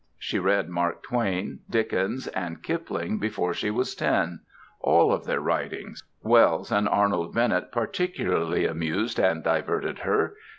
She read Mark Twain, Dickens and Kipling before she was ten all of their writings. Wells and Arnold Bennett particularly amused and diverted her.